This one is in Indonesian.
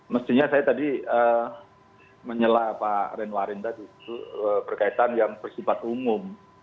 mestinya saya tadi menyela pak ngren warin tadi perkaitan yang bersifat umum